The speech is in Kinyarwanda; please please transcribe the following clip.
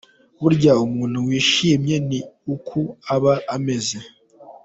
Burya umuntu wishimye ni uku aba ameze.